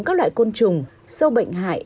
các loại côn trùng sâu bệnh hại